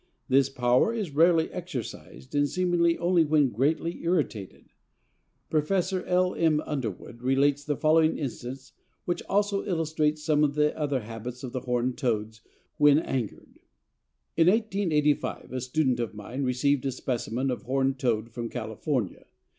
This power is rarely exercised and seemingly only when greatly irritated. Professor L. M. Underwood relates the following instance, which also illustrates some of the other habits of the Horned Toads when angered: "In 1885 a student of mine received a specimen of Horned Toad from California.